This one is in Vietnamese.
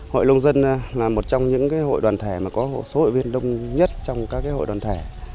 hội nông dân là một trong những hội đoàn thể mà có số hội viên đông nhất trong các hội đoàn thể